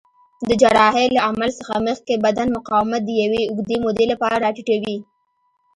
د جراحۍ له عمل څخه مخکې بدن مقاومت د یوې اوږدې مودې لپاره راټیټوي.